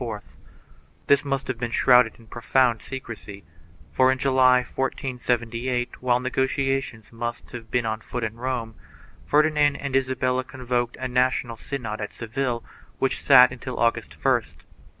3 This must have been shrouded in profound secrecy, for, in July, 1478, while negotiations must have been on foot in Rome, Fer dinand and Isabella convoked a national synod at Seville which sat until August 1st.